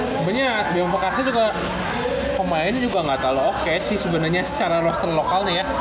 sebenarnya bima perkasa juga pemainnya juga nggak terlalu oke sih sebenarnya secara roster lokalnya ya